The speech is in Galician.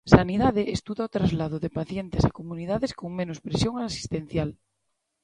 Sanidade estuda o traslado de pacientes a comunidades con menos presión asistencial.